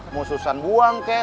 mau susan buang kek